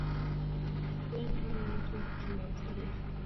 Yaani hawa watu tunawachapa hivi